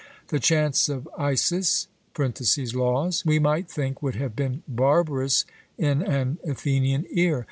The 'chants of Isis' (Laws), we might think, would have been barbarous in an Athenian ear.